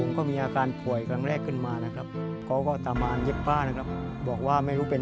ก็มีอาการป่วยครั้งแรกขึ้นมานะครับเขาก็ตามมาเย็บผ้านะครับบอกว่าไม่รู้เป็น